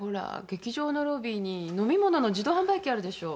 劇場のロビーに飲み物の自動販売機あるでしょ？